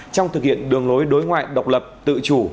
trong thực hiện đường lối đối ngoại độc lập tự chủ